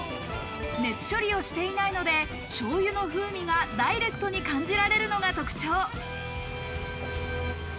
熱処理をしていないので、醤油の風味がダイレクトに感じられるのが特徴。